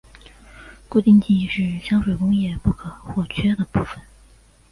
固定剂是香水工业不可或缺的部份。